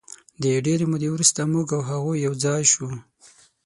د ډېرې مودې وروسته موږ او هغوی یو ځای شوو.